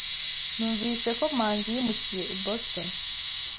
Numvise ko Manzi yimukiye i Boston.